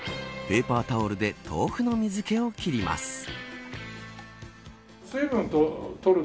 ペーパータオルで豆腐の水けを切ります。